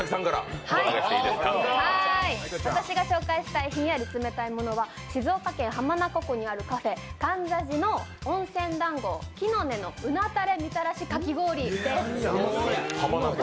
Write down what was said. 私が紹介したいひんやり冷たいものは静岡県浜名湖にあるカフェ舘山寺温泉だんごのうなたれみたらしかき氷です。